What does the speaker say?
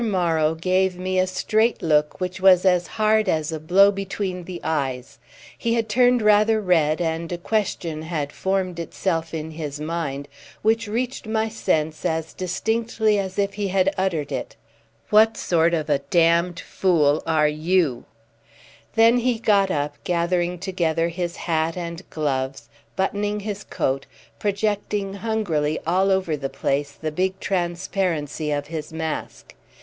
Morrow gave me a straight look which was as hard as a blow between the eyes; he had turned rather red, and a question had formed itself in his mind which reached my sense as distinctly as if he had uttered it: "What sort of a damned fool are you?" Then he got up, gathering together his hat and gloves, buttoning his coat, projecting hungrily all over the place the big transparency of his mask.